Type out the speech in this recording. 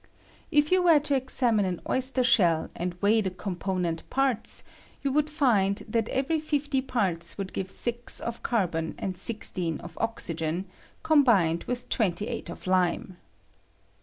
If you were to examine an oyster sheR and weigh the com ponent parts, you would find that every 50 parts would give 6 of carbon and 16 of oxygen combined with 28 of lime.